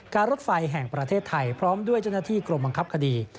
รถไฟแห่งประเทศไทยพร้อมด้วยเจ้าหน้าที่กรมบังคับคดี